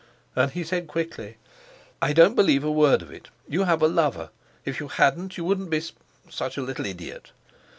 And he said quickly: "I don't believe a word of it. You have a lover. If you hadn't, you wouldn't be such a—such a little idiot."